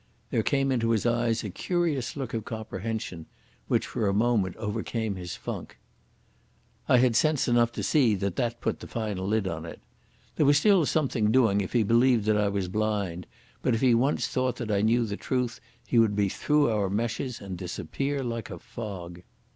There came into his eyes a curious look of comprehension, which for a moment overcame his funk. I had sense enough to see that that put the final lid on it. There was still something doing if he believed that I was blind, but if he once thought that I knew the truth he would be through our meshes and disappear like a fog.